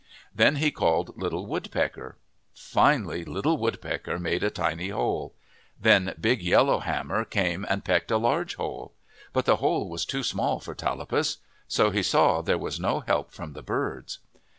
Then he called Little Woodpecker. Finally Little Wood pecker made a tiny hole. Then big Yellow Ham mer came and pecked a large hole. But the hole was too small for Tallapus. So he saw there was no help from the birds.